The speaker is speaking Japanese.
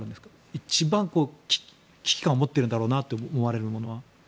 一番危機感を持っているんだろうなと思われるものは。